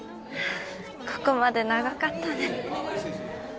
ここまで長かったね